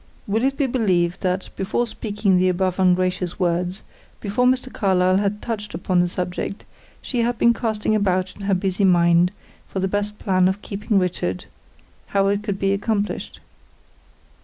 Will it be believed that, before speaking the above ungracious words, before Mr. Carlyle had touched upon the subject, she had been casting about in her busy mind for the best plan of keeping Richard how it could be accomplished.